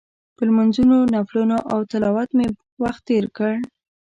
په لمونځونو، نفلونو او تلاوت مې وخت تېر کړ.